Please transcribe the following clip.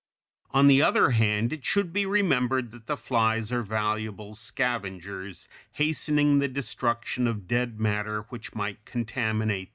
On the other hand, it should be remembered that the flies are valuable scavengers, hastening the destruction of dead matter which might contaminate the air.